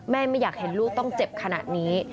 ไม่อยากเห็นลูกต้องเจ็บขนาดนี้